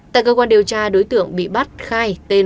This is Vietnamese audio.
tại cơ quan điều tra đối tượng bỏ trốn là một lực lượng đối tượng